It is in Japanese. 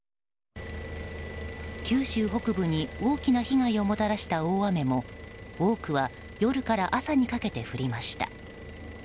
九州北部に大きな被害をもたらした大雨も多くは夜から朝にかけて降りました。